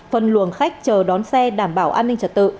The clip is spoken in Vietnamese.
phân luồng khách chờ đón xe đảm bảo an ninh trật tự